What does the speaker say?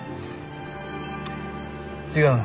違うな。